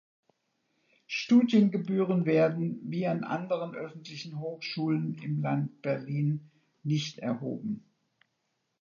Studiengebühren werden, wie an anderen öffentlichen Hochschulen im Land Berlin, nicht erhoben.